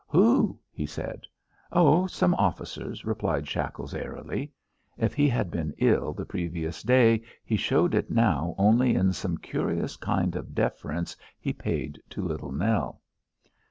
Who?" he said. "Oh! some officers," replied Shackles airily. If he had been ill the previous day, he showed it now only in some curious kind of deference he paid to Little Nell.